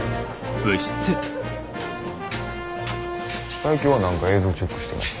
佐伯は何か映像チェックしてます。